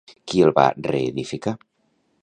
Qui el va reedificar?